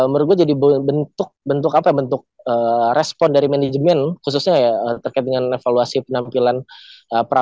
menurut gue jadi bentuk bentuk apa ya bentuk respon dari manajemen khususnya ya terkait dengan evaluasi penampilan